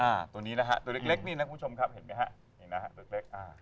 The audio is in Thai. ตัวนี้นะฮะตัวเล็กนี่นะคุณผู้ชมครับเห็นไหมฮะ